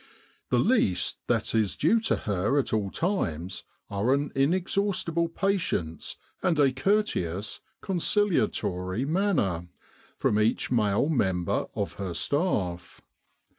The least that is due to her at all times are an inexhaustible patience, and a courteous, conciliatory manner, from each male member of her staff.